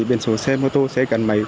điển số xe mô tô xe gắn máy